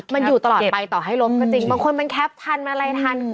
มันอยู่ตลอดไปต่อให้ลบก็จริงบางคนมันแคปทันมันอะไรทัน